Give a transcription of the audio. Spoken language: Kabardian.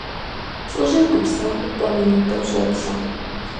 ЛӀыжьыр гупсэхуу къуэм и нитӀым щӀоплъэ.